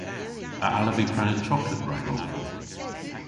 A allav vy prena choklet ragov?